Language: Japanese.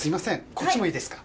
こっちもいいですか？